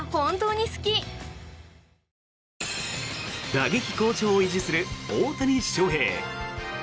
打撃好調を維持する大谷翔平。